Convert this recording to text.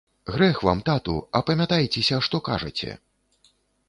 Грэх вам, тату, апамятайцеся, што кажаце.